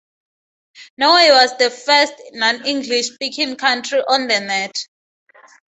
Norway was the first non-English-speaking country on the net.